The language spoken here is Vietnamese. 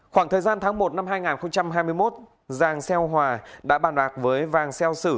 khoảng thời gian tháng một năm hai nghìn hai mươi một giàng xeo hòa đã bàn bạc với vàng xeo sử